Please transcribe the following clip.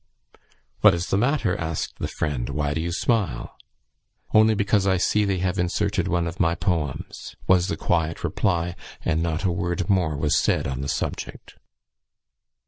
"What is the matter?" asked the friend. "Why do you smile?" "Only because I see they have inserted one of my poems," was the quiet reply; and not a word more was said on the subject.